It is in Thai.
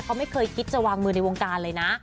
เขาไม่เคยคิดจะวางมือในวงการเลยนะ